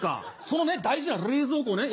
その大事な冷蔵庫をね